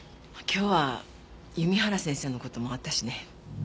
今日は弓原先生の事もあったしね。